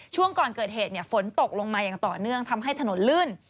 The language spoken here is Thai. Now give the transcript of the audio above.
ช่วงก่อนเกิดเหตุฝนตกลงมาอย่างต่อเนื่องทำให้ถนนลื่น